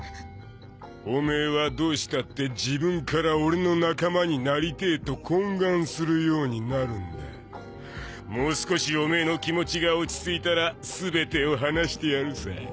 オメエはどうしたって自分から俺の仲間になりてぇと懇願するようになるんだもう少しオメエの気持ちが落ち着いたら全てを話してやるさ